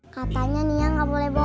katanya nia enggak boleh bohong